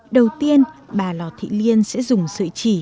đầu tiên bà lò thị liên sẽ dùng sợi chỉ